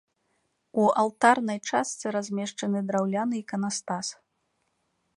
У алтарнай частцы размешчаны драўляны іканастас.